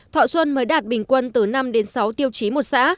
thọ xuân mới đạt bình quân từ năm đến sáu tiêu chí một xã